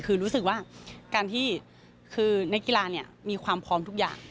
คือรู้สึกว่าการที่คือนักกีฬาเนี่ยมีความพร้อมทุกอย่าง